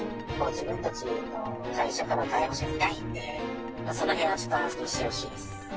自分たちの会社から逮捕者いないんで、そのへんはちょっと安心してほしいです。